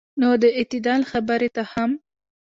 نو د اعتدال خبرې ته هم